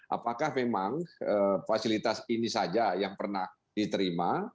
apakah memang fasilitas ini saja yang pernah diterima